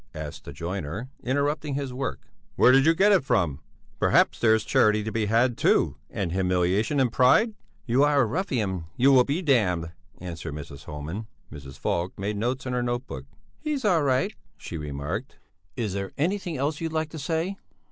asked the joiner, interrupting his work. "Where did you get it from? Perhaps there's charity to be had, too, and humiliation and pride?" "You are a ruffian; you will be damned," answered Mrs. Homan. Mrs. Falk made notes in her note book. "He's all right," she remarked. "Is there anything else you'd like to say?"